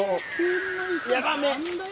やばめ。